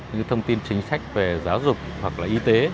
như thông tin chính sách về giáo dục hoặc là y tế